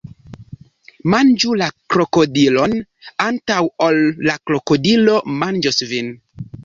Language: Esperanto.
Manĝu la krokodilon, antaŭ ol la krokodilo manĝos vin!